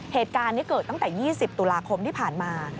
เหตุการณ์นี้เกิดตั้งแต่๒๐ตุลาคมที่ผ่านมา